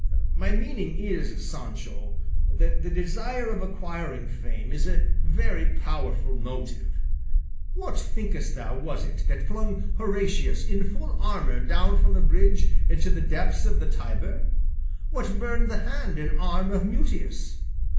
My meaning is, Sancho, that the desire of acquiring fame is a very powerful motive. What, thinkest thou, was it that flung Horatius in full armour down from the bridge into the depths of the Tiber? What burned the hand and arm of Mutius?